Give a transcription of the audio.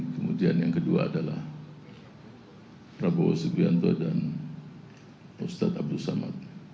kemudian yang kedua adalah prabowo subianto dan ustadz abdul samad